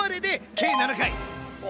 計７回！